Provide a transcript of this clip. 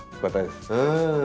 うん！